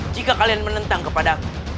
jika kalian menentang kepada aku